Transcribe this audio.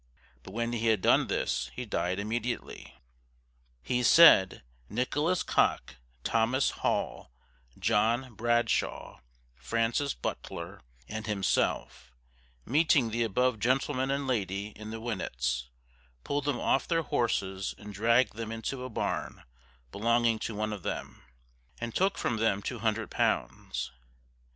But when he had done this, he died immediately. He said, Nicholas Cock, Thomas Hall, John Bradshaw, Francis Butler, and himself, meeting the above gentleman and lady in the Winnets, pulled them off their horses, and dragged them into a barn belonging to one of them, and took from them two hundred pounds.